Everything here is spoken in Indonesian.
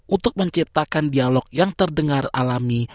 untuk menciptakan dialog yang terdengar alami